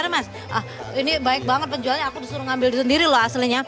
mas ini baik banget penjualnya aku disuruh ngambil sendiri loh aslinya